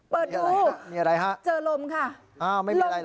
ปิดดูเจอลมค่ะไม่มีอะไรหรอ